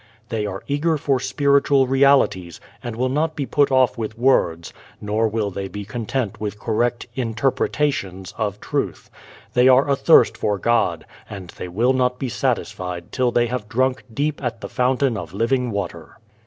They are eager for spiritual realities and will not be put off with words, nor will they be content with correct "interpretations" of truth. They are athirst for God, and they will not be satisfied till they have drunk deep at the Fountain of Living Water.